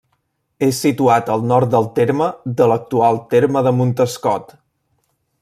És situat al nord del terme de l'actual terme de Montescot.